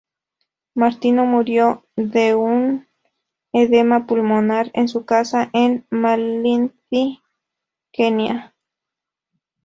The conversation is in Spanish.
Martino murió de un edema pulmonar en su casa en Malindi, Kenia.